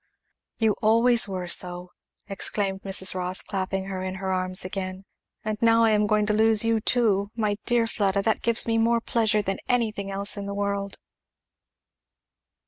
"You always were so!" exclaimed Mrs. Rossitur clapping her in her arms again; "and now I am going to lose you too My dear Fleda! that gives me more pleasure than anything else in the world!